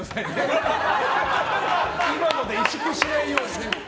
今ので萎縮しないように。